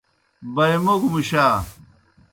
بائےموگوْ مُشا۔